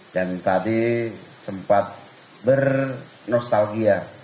dan tadi sempat bernostalgia